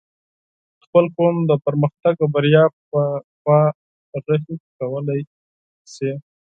خپل قوم د پرمختګ او بريا په لوري رهي کولی شې